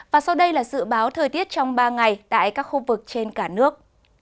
và sau đây là dự báo thời tiết trong ba ngày tại các khu vực trên cả nước